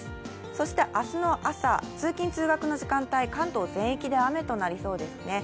そして明日の朝、通勤・通学の時間帯、関東全域で雨となりそうですね